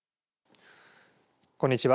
こんにちは。